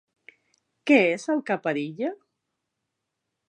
Què és el que perilla?